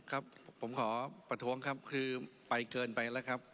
ครับผมขอประท้วงครับคือไปเกินไปแล้วครับ